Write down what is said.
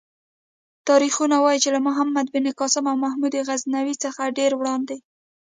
تاریخونه وايي چې له محمد بن قاسم او محمود غزنوي څخه ډېر وړاندې.